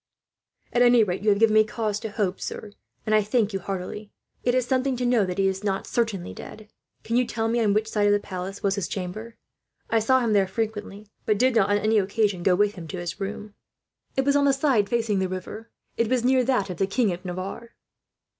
"At any rate, you have given me cause to hope, sir, and I thank you heartily. It is something to know that he is not certainly dead. "Can you tell me on which side of the palace was his chamber? I saw him there frequently, but did not, on any occasion, go with him to his room." "It was on the side facing the river. It was near that of the King of Navarre."